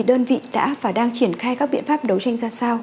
đơn vị đã và đang triển khai các biện pháp đấu tranh ra sao